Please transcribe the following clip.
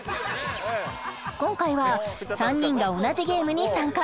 今回は３人が同じゲームに参加